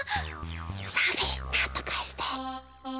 サフィーなんとかして！